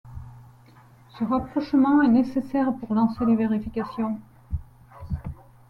Ce rapprochement est nécessaire pour lancer les vérifications.